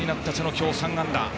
今日、３安打。